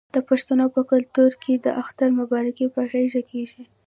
د پښتنو په کلتور کې د اختر مبارکي په غیږ کیږي.